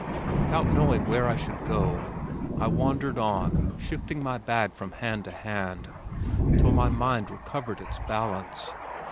Without knowing where I should go, I wandered on, shifting my bag from hand to hand, till my mind recovered its balance.